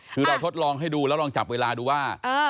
คือเราทดลองให้ดูแล้วลองจับเวลาดูว่า